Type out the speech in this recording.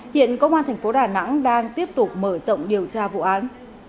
hiện công an thành phố đà nẵng đang tiếp tục mở rộng điều tra vụ án